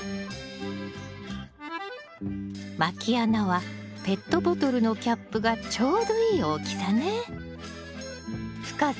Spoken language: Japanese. まき穴はペットボトルのキャップがちょうどいい大きさね。